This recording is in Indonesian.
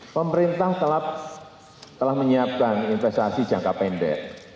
pemerintah telah menyiapkan investasi jangka pendek